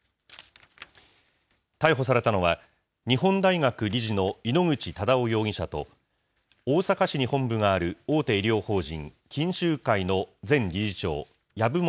逮捕されたのは、日本大学理事の井ノ口忠男容疑者と大阪市に本部がある大手医療法人錦秀会の前理事長、籔本